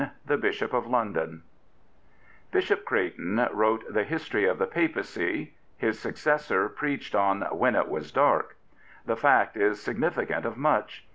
THE BISHOP OF LONDON Bishop Creighton wrote the History of the Papacy ; his successor preached on When it was Dark, The fact is significant of much.